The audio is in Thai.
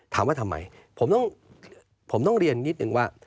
ถามว่าทำไมผมต้องผมต้องเรียนนิดนึงว่า